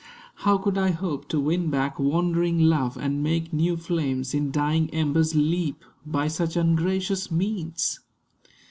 How could I hope to win back wandering love, And make new flames in dying embers leap, By such ungracious means?